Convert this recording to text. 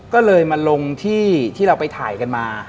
ก็เลยมาลงที่เราไปถ่ายกันมา